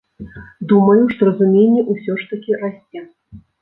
Думаю, што разуменне ўсё ж такі расце.